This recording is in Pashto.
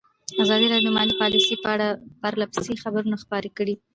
ازادي راډیو د مالي پالیسي په اړه پرله پسې خبرونه خپاره کړي.